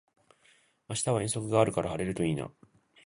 明日は遠足があるから晴れるといいな